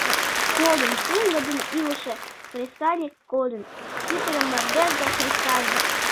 Кодын — пеҥгыдын илыше кресаньык; кодын — пӱтырем мардеж гай кресаньык.